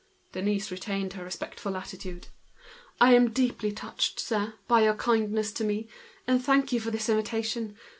Denise retained her respectful attitude. "I am greatly touched, sir, by your kindness to me, and I thank you for this invitation.